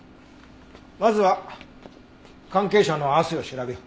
まずは関係者の汗を調べよう。